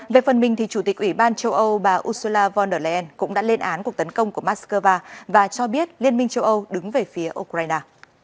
về phần mình chủ tịch ủy ban châu âu bà ursula von der leyen cũng đã lên án cuộc tấn công của moscow và cho biết liên minh châu âu đứng về phía ukraine